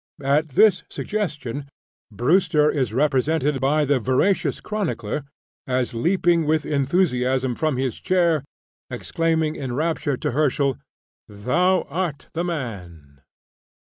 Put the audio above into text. At this suggestion, Brewster is represented by the veracious chronicler as leaping with enthusiasm from his chair, exclaiming in rapture to Herschel: "Thou art the man!"